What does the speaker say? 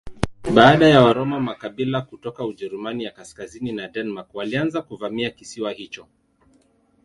Baada ya Waroma makabila kutoka Ujerumani ya kaskazini na Denmark walianza kuvamia kisiwa hicho.